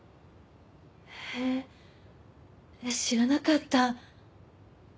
へえ知らなかった。